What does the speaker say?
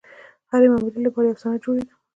د هرې معاملې لپاره یو سند جوړېده.